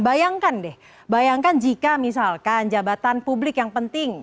bayangkan deh bayangkan jika misalkan jabatan publik yang penting